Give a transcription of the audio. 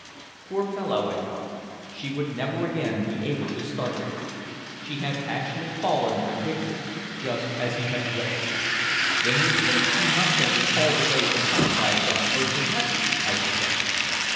Poor fellow, I thought, she would never again be able to startle him. She had actually fallen a victim just as he dreaded. "Then you think she must have been called away from home by some urgent message?" I suggested.